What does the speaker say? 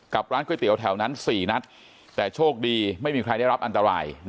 ร้านก๋วยเตี๋ยวแถวนั้น๔นัดแต่โชคดีไม่มีใครได้รับอันตราย